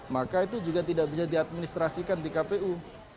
maka itu juga tidak bisa diadministrasikan di kpu